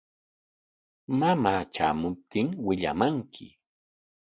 Mamaa tramuptin willamanki.